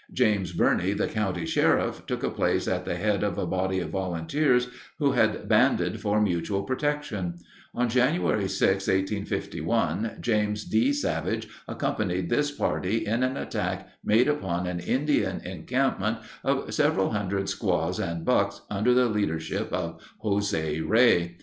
James Burney, the county sheriff, took a place at the head of a body of volunteers who had banded for mutual protection. On January 6, 1851, James D. Savage accompanied this party in an attack made upon an Indian encampment of several hundred squaws and bucks under the leadership of José Rey.